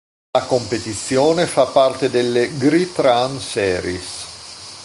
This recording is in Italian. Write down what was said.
La competizione fa parte delle Great Run series.